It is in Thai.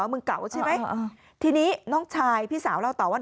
มึงเก่าใช่ไหมทีนี้น้องชายพี่สาวเล่าต่อว่า